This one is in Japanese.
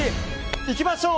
いきましょう。